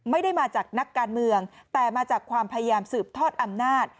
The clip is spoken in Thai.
ไม่ได้มาจากนักการเมืองแต่มาจากความพยายามสืบทอดอำนาจ